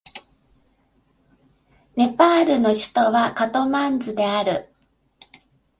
ネパールの首都はカトマンズである